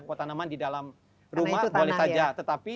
pot tanaman di dalam rumah boleh saja